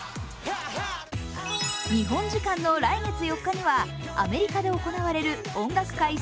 日本時間の来月４日にはアメリカで行われる音楽界